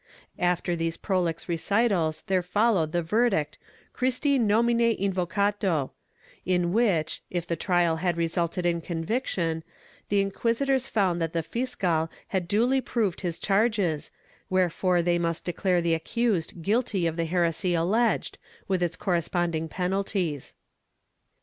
^ After these prolix recitals there followed the verdict ''Christi nomine invocato," in which, if the trial had resulted in conviction, the inquisitors found that the fiscal had duly proved his charges, wherefore they must declare the accused guilty of the heresy alleged, with its corresponding penalties.'